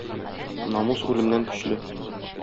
Намус үлемнән көчле.